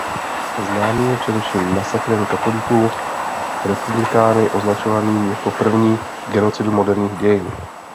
Známý je především masakrem katolíků republikány označovaným jako první genocidu moderních dějin.